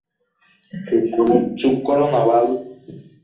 চুপ কর না, বাল!